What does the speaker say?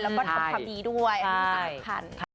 ความดีด้วยสำคัญ